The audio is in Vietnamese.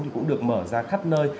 thì cũng được mở ra khắp nơi